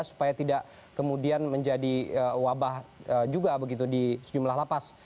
supaya tidak kemudian menjadi wabah juga begitu di sejumlah lapas